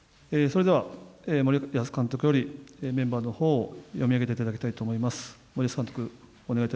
それでは、森保監督よりメンバーのほうを読み上げていただきたいと思います。